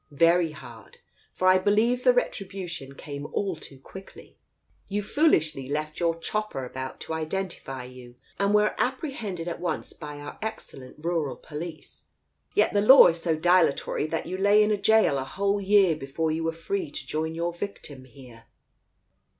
"Very hard, for I believe the retribution came all too quickly. You foolishly left your chopper about to identify you, and were apprehended at once by our excellent rural police. Yet the law is so dilatory that you lay in gaol a whole year before you were free to join your victim here